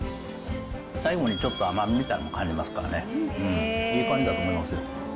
最後にちょっと甘みみたいなのも感じますからね、いい感じだと思いますよ。